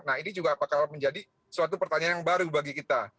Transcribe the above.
nah ini juga bakal menjadi suatu pertanyaan yang baru bagi kita